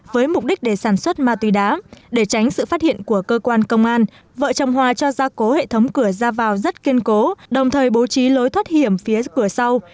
với mục đích để sản xuất ma túy đá để tránh sự phát hiện của cơ quan công an vợ chồng hòa cho gia cố hệ thống cửa ra vào rất kiên cố đồng thời bố trí lối thoát hiểm phía cửa sau